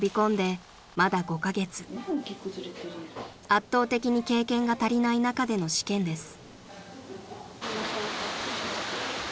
［圧倒的に経験が足りない中での試験です］